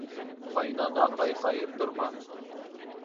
Ҡайнаға ҡайҡайып тормаҫ